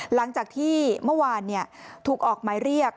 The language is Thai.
หลังจากที่เมื่อวานถูกออกหมายเรียก